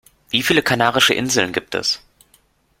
Wie viele Kanarische Inseln gibt es?